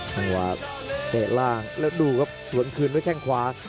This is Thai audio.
จังหวะเตะล่างแล้วดูครับสวนคืนด้วยแข้งขวา